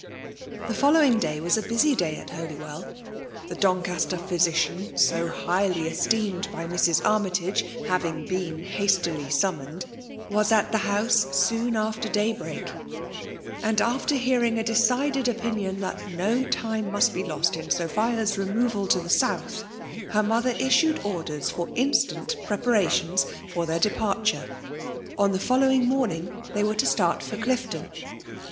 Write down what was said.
The following day was a busy day at Holy well. The Doncastcr physician, so highly esteemed by Mrs. Armytage, having been hastily summoned^ was at the house soon after day break ; and after hearing a decided opinion that no time must be lost in Sophia's removal to the South, her mother issued orders for instant preparations for their de parture. On the following morning they were to start for Clifton.